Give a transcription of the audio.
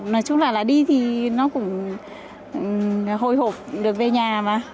nói chung là đi thì nó cũng hồi hộp được về nhà mà